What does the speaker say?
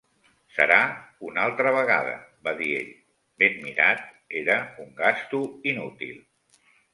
Serà un altra vegada, va dir ell. Ben mirat era un gasto inútil.